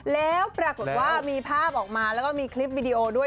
แล้วปรากฏว่ามีภาพออกมาแล้วก็มีคลิปวิดีโอด้วย